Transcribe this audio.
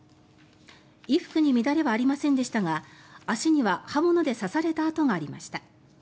衣服に乱れはありませんでしたが足には刃物で刺された痕がありました。